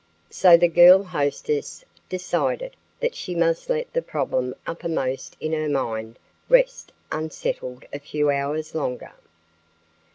So the girl hostess decided that she must let the problem uppermost in her mind rest unsettled a few hours longer.